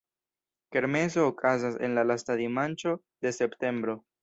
Kermeso okazas en la lasta dimanĉo de septembro.